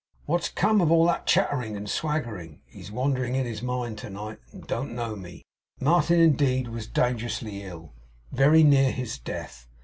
'What's come of all that chattering and swaggering? He's wandering in his mind to night, and don't know me!' Martin indeed was dangerously ill; very near his death.